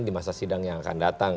di masa sidang yang akan datang